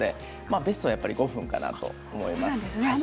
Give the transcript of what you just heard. ベストは５分だと思います。